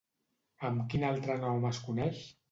Amb quin altre nom es coneix?